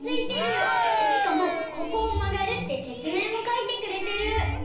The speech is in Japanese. しかもここをまがるってせつめいもかいてくれてる！